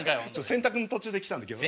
洗濯の途中で来たんで今日ね。